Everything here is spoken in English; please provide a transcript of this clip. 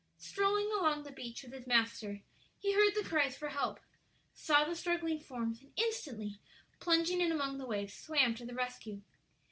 Strolling along the beach with his master, he heard the cries for help, saw the struggling forms, and instantly plunging in among the waves, swam to the rescue.